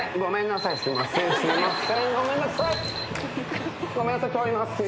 ごめんなさい。